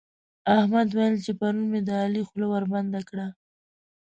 احمد ويل چې پرون مې د علي خوله وربنده کړه.